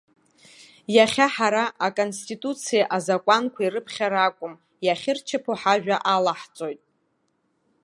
Иахьа ҳара аконституциеи азакәанқәеи рыԥхьара акәым, иахьырчаԥо ҳажәа алаҳҵоит.